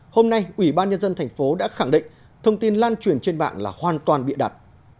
hôm nay ủy ban nhân dân thành phố đã khẳng định thông tin lan truyền trên mạng là hoàn toàn bịa đặt